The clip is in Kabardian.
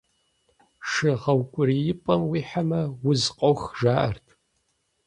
Шы гъэукӏуриипӏэм уихьэмэ, уз къох, жаӏэрт.